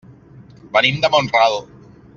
Venim de Mont-ral.